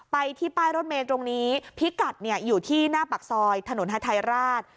ไปที่ป้ายรถเมย์ตรงนี้พิกัดอยู่ที่หน้าปากซอยถนนฮาทายราช